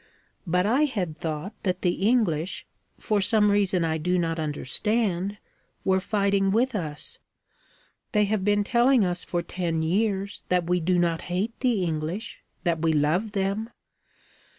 But I had thought that the English, for some reason I do not understand, were fighting with us. They have been telling us for ten years that we do not hate the English that we love them.